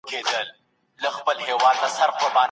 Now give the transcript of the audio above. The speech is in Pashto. ګڼ توکي د مستري لخوا په اوږه راوړل کیږي.